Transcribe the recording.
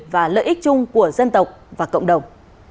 và lợi ích chung của dân tộc và cộng đồng